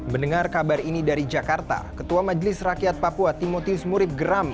mendengar kabar ini dari jakarta ketua majelis rakyat papua timotius murib geram